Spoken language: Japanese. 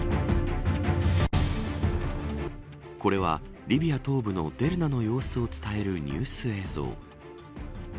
これはリビア東部のデルナの様子を伝えるニュース映像。